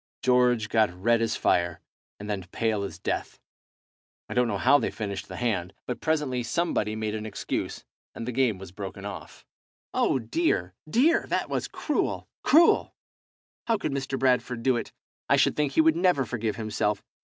George got red as fire, and then pale as death. I don't know how they finished the hand, but presently somebody made an excuse, and the game was broken off." "Oh, dear! dear! That was cruel! cruel! How could Mr. Bradford do it? I should think he would never forgive himself!